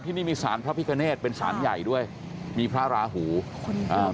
ที่นี่มีศาลพระพิกเนตรเป็นศาลใหญ่ด้วยมีพระราหูคนเยอะมากอ่า